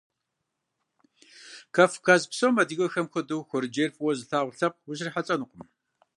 Кавказ псом адыгэхэм хуэдэу хуэрэджейр фӀыуэ зылъагъу лъэпкъ ущрихьэлӀэнукъым.